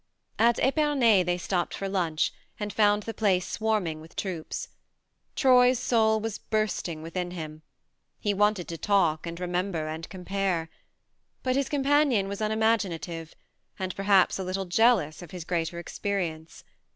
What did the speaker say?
At Epernay they stopped for lunch, and found the place swarming with troops. Troy's soul was bursting within him : he wanted to talk and remember and compare. But his companion was unimaginative, and perhaps a little jealous of his greater experience.